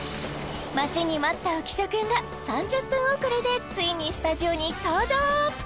待ちに待った浮所くんが３０分遅れでついにスタジオに登場！